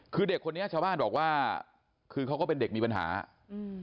คือเด็กคนนี้ชาวบ้านบอกว่าคือเขาก็เป็นเด็กมีปัญหาอืม